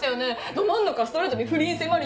ど真ん中ストレートで不倫迫る